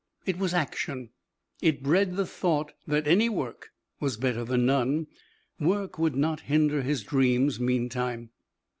It was action, it bred the thought that any work was better than none. Work would not hinder his dreams, meantime.